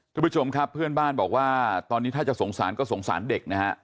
ทุกผู้ชมครับเพื่อนบ้านบอกว่าตอนนี้ถ้าจะสงสารก็สงสารเด็กนะฮะ